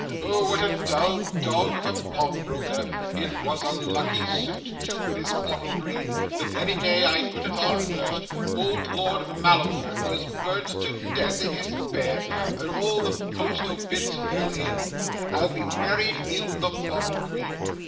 Oh, what a dull dog of a pawnbroker! It was a lucky suit too, this bottle green. The very day I put it on first, old Lord Mallowford was burnt to death in his bed, and all the post obits fell in. I'll be married in the bottle green.